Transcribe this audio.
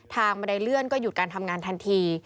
บันไดเลื่อนก็หยุดการทำงานทันที